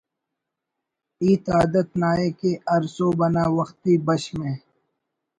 ہیت عادت نا ءِ کہ ہر سہب انا وختی بش مہ